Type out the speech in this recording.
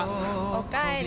おかえり。